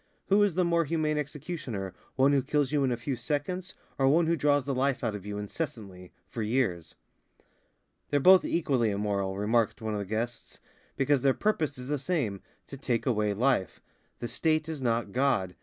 Who is the more humane executioner, one who kills you in a few seconds or one who draws the life out of you incessantly, for years?" "They're both equally immoral," remarked one of the guests, "because their purpose is the same, to take away life. The State is not God.